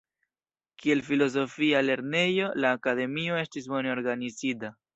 Kiel filozofia lernejo, la Akademio estis bone organizita.